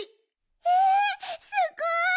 えすごい！